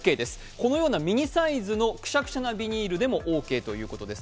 このようなミニサイズのくしゃくしゃなビニールでもオーケーです。